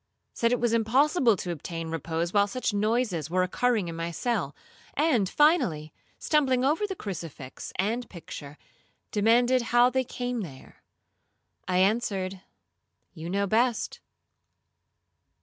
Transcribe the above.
said it was impossible to obtain repose while such noises were occurring in my cell; and, finally, stumbling over the crucifix and picture, demanded how they came there. I answered, 'You know best.'